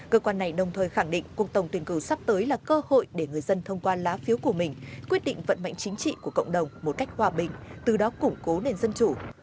cơ quan này đồng thời khẳng định cuộc tổng tuyển cử sắp tới là cơ hội để người dân thông qua lá phiếu của mình quyết định vận mệnh chính trị của cộng đồng một cách hòa bình từ đó củng cố nền dân chủ